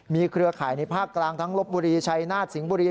เครือข่ายในภาคกลางทั้งลบบุรีชัยนาฏสิงห์บุรี